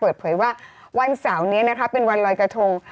เปิดเผยว่าวันเสาร์นี้นะคะเป็นวันลอยกระทง